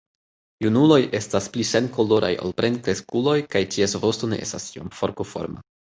Junuloj estas pli senkoloraj ol plenkreskuloj kaj ties vosto ne estas tiom forkoforma.